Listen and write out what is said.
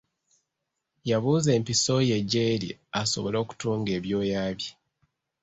Yabuuza empiso ye gy'eri asobole okutunga ebyoya bye.